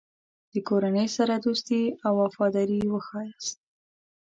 د کورنۍ سره دوستي او وفاداري وښیاست.